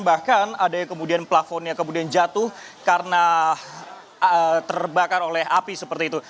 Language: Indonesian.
bahkan ada yang kemudian plafonnya kemudian jatuh karena terbakar oleh api seperti itu